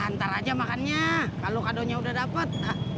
ntar aja makannya kalo kado nya udah dapet